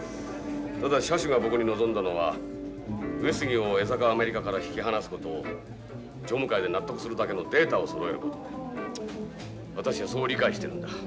ただ社主が僕に望んだのは上杉を江坂アメリカから引き離すことを常務会で納得するだけのデータをそろえること私はそう理解してるんだ。